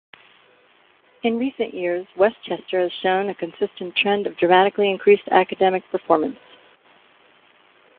In recent years, Westchester has shown a consistent trend of dramatically increased academic performance.